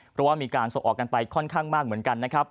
เพราะว่ามีการส่งออกกันไปค่อนข้างมากเหมือนกันนะครับ